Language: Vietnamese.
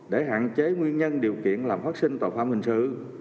để hạn chế nguyên nhân điều kiện làm phát sinh tội phạm hình sự